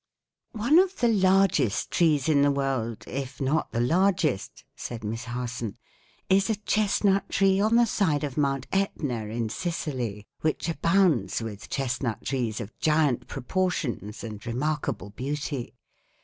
"One of the largest trees in the world, if not the largest," said Miss Harson, "is a chestnut tree on the side of Mount Etna, in Sicily, which abounds with chestnut trees of giant proportions and remarkable beauty.